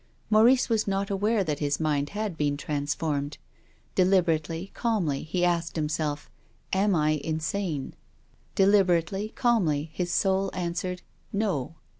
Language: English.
Maurice was not aware that his mind had been transformed, Deliberately, calmly, he asked himself, " Am I insane?" Deliberately, calmly, his soul answered, " No."